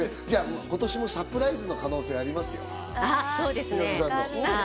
今年もサプライズの可能性ありますよ。